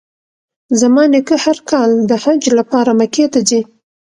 زما نیکه هر کال د حج لپاره مکې ته ځي.